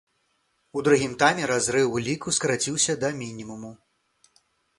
У другім тайме разрыў у ліку скараціўся да мінімуму.